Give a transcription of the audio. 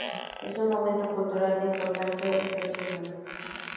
Es un monumento cultural de importancia excepcional.